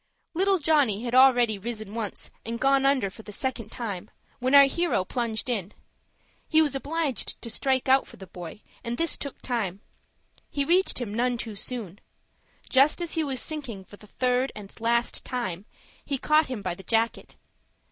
Little Johnny had already risen once, and gone under for the second time, when our hero plunged in. He was obliged to strike out for the boy, and this took time. He reached him none too soon. Just as he was sinking for the third and last time, he caught him by the jacket.